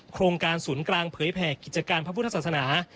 โครงการศูนย์กลางเผยแผ่กิจการพระพุทธศาสนา